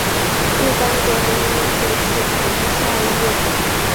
不丹国民议会是它的下议院。